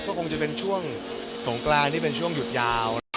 ก็คงจะเป็นช่วงสงกรานที่เป็นช่วงหยุดยาว